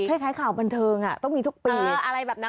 เห้ยใครข่าวบรรเทิงอ่ะต้องมีทุกปีเอ่ออะไรแบบนั้น